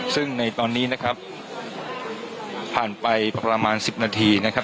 ซึ่งในตอนนี้นะครับผ่านไปประมาณ๑๐นาทีนะครับ